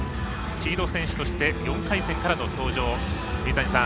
シード選手として４回戦からの登場。